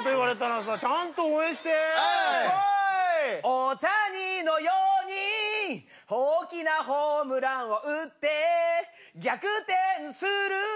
大谷のように大きなホームランを打って逆転するよ